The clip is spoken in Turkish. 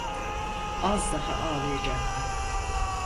Az daha ağlayacaktı.